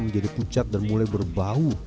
menjadi pucat dan mulai berbau